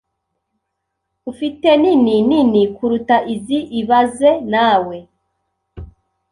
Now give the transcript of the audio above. Ufite nini nini kuruta izi ibaze nawe